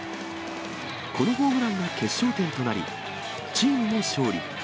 このホームランが決勝点となり、チームも勝利。